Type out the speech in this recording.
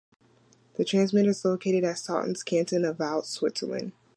The transmitter is located at Sottens, Canton of Vaud, Switzerland.